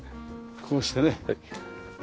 こうしてね。